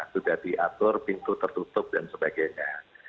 sudah diatur pintu tertutup dan sebagainya